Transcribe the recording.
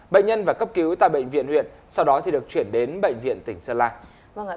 bệnh nhân và cấp cứu tại bệnh viện huyện sau đó thì được chuyển đến bệnh viện tỉnh sơn la